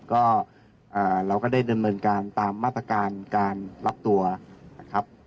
ก็เราก็ได้ดำเนินการตามมาตรการการรับตัวนะครับ